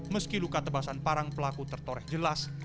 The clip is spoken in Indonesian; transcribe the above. meski luka tebasan parang pelaku tertoreh jelas